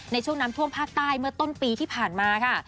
ในช่วงน้ำท่วมภาคใต้เมื่อต้นปีที่ผ่านมาค่ะ